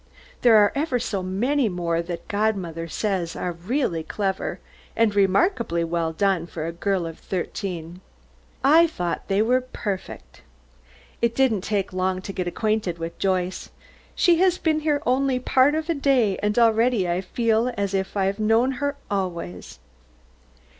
There are ever so many more that godmother says are really clever, and remarkably well done for a girl of thirteen. I thought they were perfect. It didn't take long to get acquainted with Joyce. She has been here only a part of a day, and already I feel as if I had known her always.